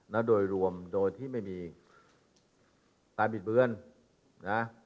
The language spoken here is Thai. นะโดยรวมโดยที่ไม่มีการบิดเบือนนะ